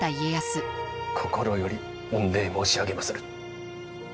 心より御礼申し上げまする。